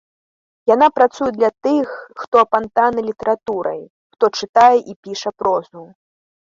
Яна працуе для тых, хто апантаны літаратурай, хто чытае і піша прозу.